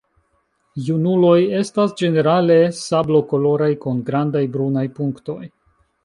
Junuloj estas ĝenerale sablokoloraj kun grandaj brunaj punktoj.